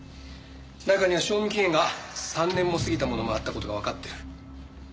中には賞味期限が３年も過ぎたものもあった事がわかってる。